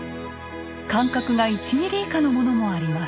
間隔が１ｍｍ以下のものもあります。